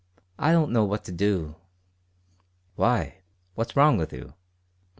I don't know what to do." "Why, what's wrong with you?"